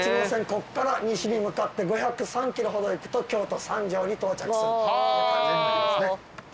こっから西に向かって５０３ｋｍほど行くと京都三条に到着する感じになりますね。